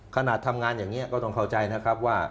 ขนาดทำงานอย่างนี้ก็ต้องเข้าใจนะครับว่า